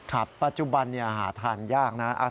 ครับปัจจุบันอาหารทานยากนะ